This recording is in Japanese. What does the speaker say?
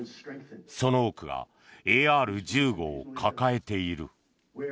その多くがＡＲ１５を抱えている。